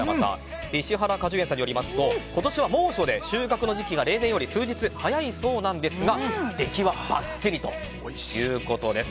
石原果樹園によりますと今年は猛暑で収穫の時期が例年より数日早いそうなんですが出来はばっちりということです。